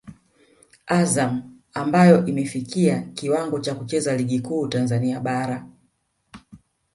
Azam ambayo imefikia kiwango cha kucheza ligi kuu Tanzania bara